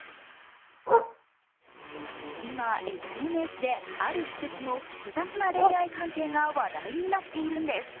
今、ＳＮＳである施設の複雑な恋愛関係が話題になっているんです。